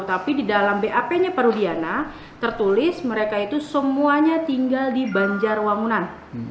tapi di dalam bap nya parudiana tertulis mereka itu semuanya tinggal di banjarwangunan